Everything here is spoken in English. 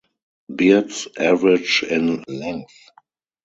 Beards average in length.